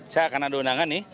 saya akan ada undangan nih